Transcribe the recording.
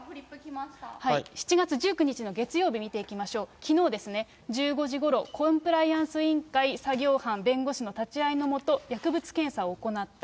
７月１９日の月曜日、見ていきましょう、きのうですね、１５時ごろ、コンプライアンス委員会作業班弁護士立ち会いの下、薬物検査を行った。